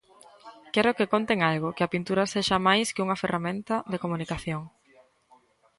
Quero que conten algo, que a pintura sexa máis unha ferramenta de comunicación.